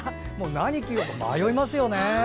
何着るか迷いますよね。